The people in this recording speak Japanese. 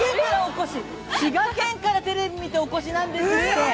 滋賀県からテレビを見て、お越しなんですって。